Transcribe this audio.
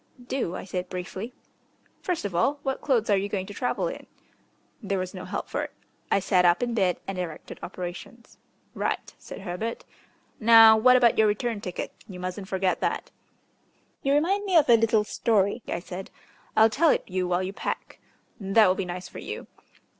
"Do," I said briefly. "First of all, what clothes are you going to travel in?" There was no help for it. I sat up in bed and directed operations. "Right," said Herbert. "Now what about your return ticket? You mustn't forget that." "You remind me of a little story," I said. "I'll tell it you while you pack that will be nice for you.